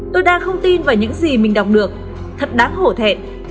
tôi đang không tin vào những gì mình đọc được thật đáng hổ thẹn